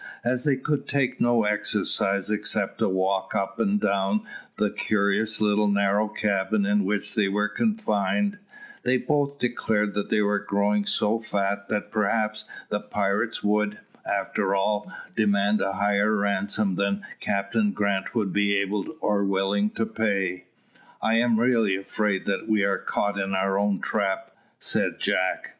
As they could take no exercise except a walk up and down the curious little narrow cabin in which they were confined, they both declared they were growing so fat that perhaps the pirates would, after all, demand a higher ransom than Captain Grant would be able or willing to pay. "I am really afraid that we are caught in our own trap," said Jack.